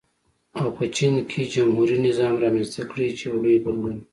او په چین کې جمهوري نظام رامنځته کړي چې یو لوی بدلون و.